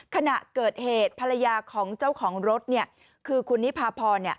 ขณะเกิดเหตุภรรยาของเจ้าของรถเนี่ยคือคุณนิพาพร